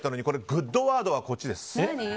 グッドワードはこっちです。